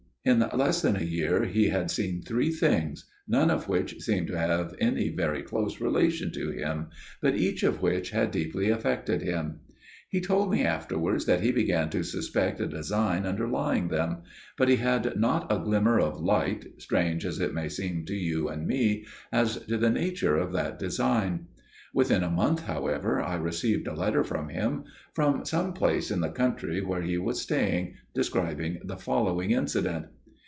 In less than a year he had seen three things, none of which seemed to have any very close relation to him, but each of which had deeply affected him. He told me afterwards that he began to suspect a design underlying them; but he had not a glimmer of light, strange as it may seem to you and me, as to the nature of that design. Within a month, however, I received a letter from him, from some place in the country where he was staying, describing the following incident.